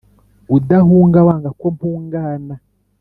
Udahunga wanga ko mpungana